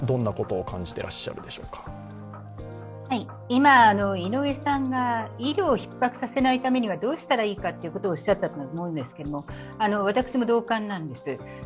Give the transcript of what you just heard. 今、井上さんが医療をひっ迫させないためにはどうしたらいいかということをおっしゃったと思うんですけど私も同感なんです。